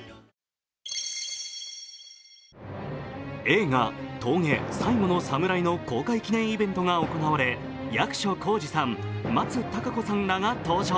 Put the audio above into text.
映画「峠最後のサムライ」の公開記念イベントが行われ役所広司さん、松たか子さんらが登場。